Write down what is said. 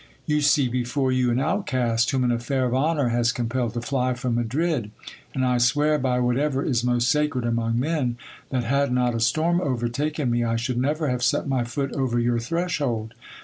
You see before you an outcast, whom an affair of honour has compelled to fly from Madrid ; and I swear by whatever is most sacred among men, that had not a storm overtaken me, I should never have set my foot over your threshold.